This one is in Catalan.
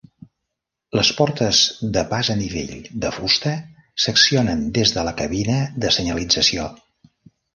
Les portes de pas a nivell de fusta s'accionen des de la cabina de senyalització.